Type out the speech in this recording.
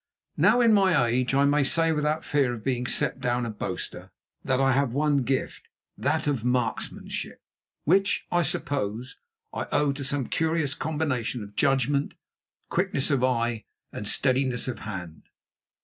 Now, in my age, I may say without fear of being set down a boaster, that I have one gift, that of marksmanship, which, I suppose, I owe to some curious combination of judgment, quickness of eye, and steadiness of hand.